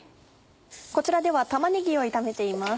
こちらでは玉ねぎを炒めています。